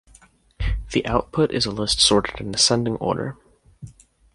The output is a list sorted in ascending order.